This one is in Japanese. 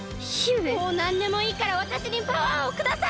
もうなんでもいいからわたしにパワーをください！